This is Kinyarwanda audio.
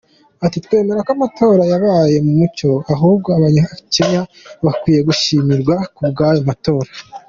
Ati “Twemera ko amatora yabaye mu mucyo ahubwo abanyakenya bakwiye gushimirwa kubw’ayo matora.